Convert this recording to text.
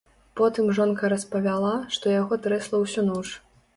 Потым жонка распавяла, што яго трэсла ўсю ноч.